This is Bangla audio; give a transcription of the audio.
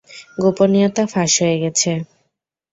গোপনীয়তা ফাঁস হয়ে গেছে।